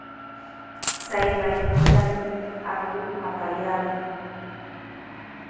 Chay mayupitami aqu apayaamun.